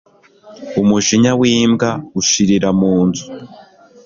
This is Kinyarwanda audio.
umujinya w'imbwa ushirira mu nzu